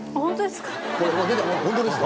本当ですか？